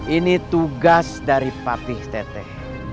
ini tugas dari papih teteh